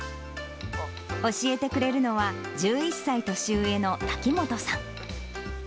教えてくれるのは、１１歳年上の瀧本さん。